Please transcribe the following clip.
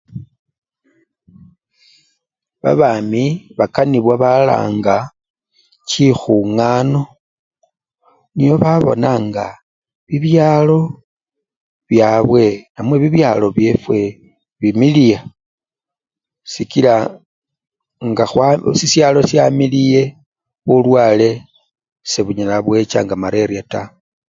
Babami bakanibwa balanga chikhungano niobabona nga bibyalo byabwe namwe bibyalo byefwe bimiliya sikila nga khwa! sisyalo syamiliye bulwale sebunyala bwecha nga maleriya taa.